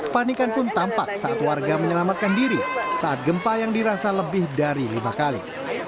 panikan pun tampak saat warga menyelamatkan diri saat gempa yang dirasa lebih dari lima kali